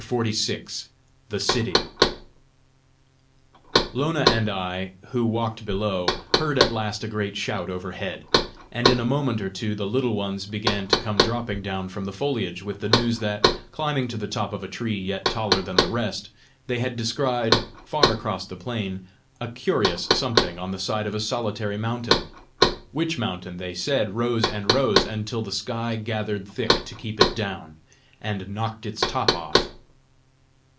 CHAPTER XLVI. THE CITY Lona and I, who walked below, heard at last a great shout overhead, and in a moment or two the Little Ones began to come dropping down from the foliage with the news that, climbing to the top of a tree yet taller than the rest, they had descried, far across the plain, a curious something on the side of a solitary mountain which mountain, they said, rose and rose, until the sky gathered thick to keep it down, and knocked its top off.